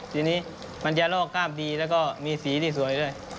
ทีนี้มันจะลอกกล้ามดีแล้วก็มีสีที่สวยด้วย